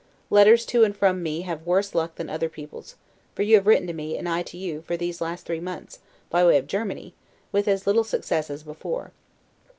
Letters to and from me have worse luck than other people's; for you have written to me, and I to you, for these last three months, by way of Germany, with as little success as before.